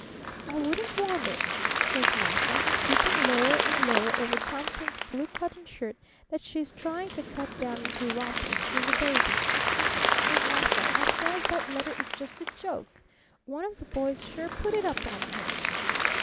'I wouldn't wonder,' says Martha, stooping lower and lower over Thomkins's blue cotton shirt that she's trying to cut down into rompers for the baby. 'And, Martha,' I says, 'that letter is just a joke. One of the boys sure put it up on him!'